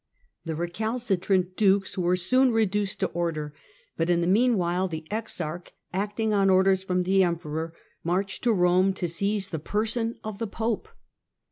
The recalcitrant dukes were soon iBduced to order, but in the meanwhile the exarch, cting on orders from the Emperor, marched to Rome ) seize the person of the Pope.